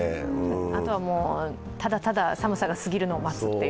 あとは、ただただ寒さが過ぎるのを待つという。